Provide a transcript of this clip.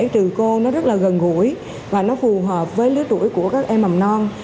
trừ cô nó rất là gần gũi và nó phù hợp với lứa tuổi của các em mầm non